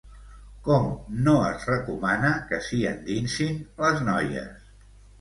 Com no es recomana que s'hi endinsin les noies?